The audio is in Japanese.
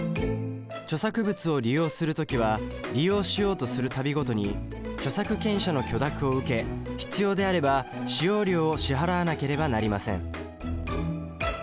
著作物を利用する時は利用しようとする度ごとに著作権者の許諾を受け必要であれば使用料を支払わなければなりません。